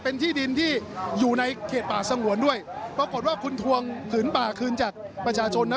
เป็นที่ดินที่อยู่ในเขตป่าสงวนด้วยปรากฏว่าคุณทวงผืนป่าคืนจากประชาชนนะ